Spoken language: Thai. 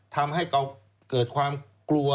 ทำให้เขาเกิดความกลัว